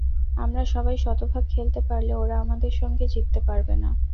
আমরা সবাই শতভাগ খেলতে পারলে ওরা আমাদের সঙ্গে জিততে পারবে না।